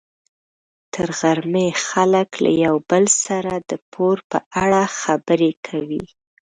تر غرمې خلک له یو بل سره د پور په اړه خبرې کوي.